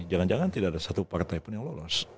jangan jangan tidak ada satu partai pun yang lolos